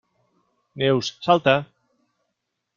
Neus, salta!